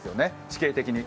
地形的に。